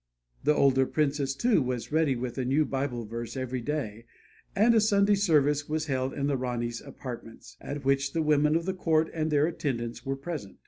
The older princess, too, was ready with a new Bible verse every day, and a Sunday service was held in the Rani's apartments, at which the women of the court and their attendants were present.